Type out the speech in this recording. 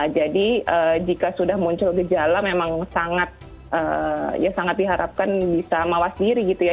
jadi jika sudah muncul gejala memang sangat ya sangat diharapkan bisa mawas diri gitu ya